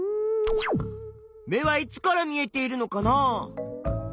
目はいつから見えているのかな？